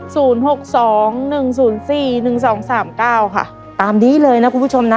หกสองหนึ่งศูนย์สี่หนึ่งสองสามเก้าค่ะตามนี้เลยนะคุณผู้ชมนะ